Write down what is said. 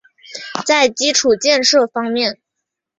在基础建设方面